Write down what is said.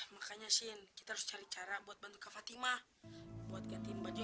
makanya shin kita harus cari cara buat bantu ke fatima buat gantiin baju